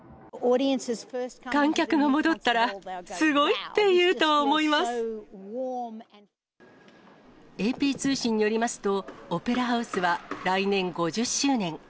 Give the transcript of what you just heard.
観客が戻ったら、すごいってＡＰ通信によりますと、オペラハウスは来年５０周年。